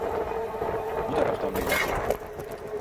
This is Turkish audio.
Bu taraftan beyler.